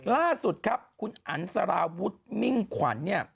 ล่าสุดครับคุณอันสารวุฒิมิ่งขวัญเนี่ย